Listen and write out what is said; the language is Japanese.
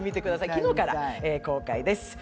昨日から公開です。